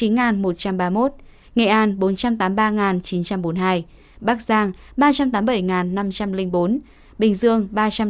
nghệ an bốn trăm tám mươi ba chín trăm bốn mươi hai bắc giang ba trăm tám mươi bảy năm trăm linh bốn bình dương ba trăm tám mươi ba bảy trăm năm mươi chín